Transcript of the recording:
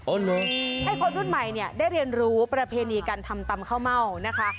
ให้คนรุ่นใหม่เนี่ยได้เรียนรู้ประเพณีการทำตำข้าวเม่านะคะ